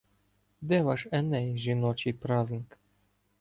Де ваш Еней — жіночий празник?